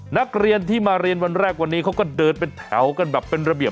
นักเรียนที่มาเรียนวันแรกวันนี้เขาก็เดินเป็นแถวกันแบบเป็นระเบียบ